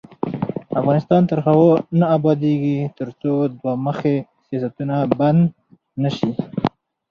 افغانستان تر هغو نه ابادیږي، ترڅو دوه مخي سیاستونه بند نشي.